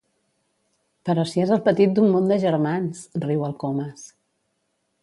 Però si és el petit d'un munt de germans! —riu el Comas.